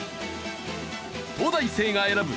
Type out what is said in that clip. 東大生が選ぶ！